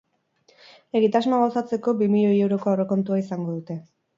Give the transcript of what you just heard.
Egitasmoa gauzatzeko bi milioi euroko aurrekontua izango dute.